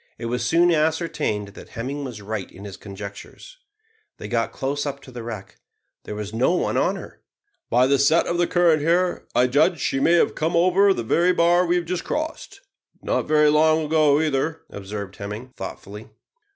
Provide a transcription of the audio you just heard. It was soon ascertained that Hemming was right in his conjectures. They got close up to the wreck. There was no one on her! "By the set of the current here, I judge that she may have come over the very bar we have just crossed not very long ago either," observed Hemming, thoughtfully.